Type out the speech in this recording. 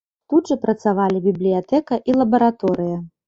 Тут жа працавалі бібліятэка і лабараторыя.